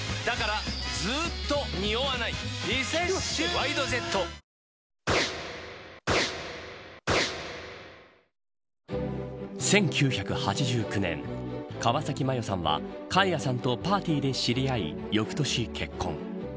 「ＷＩＤＥＪＥＴ」１９８９年川崎麻世さんはカイヤさんとパーティーで知り合い翌年、結婚。